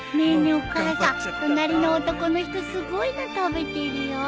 お母さん隣の男の人すごいの食べてるよ。